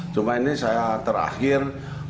cuma ini saya terakhir